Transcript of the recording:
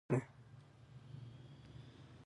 قومونه د افغانستان د صنعت لپاره ډېر مواد برابروي.